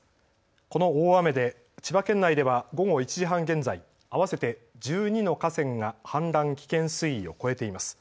この大雨で千葉県内では午後１時半現在、合わせて１２の河川が氾濫危険水位を超えています。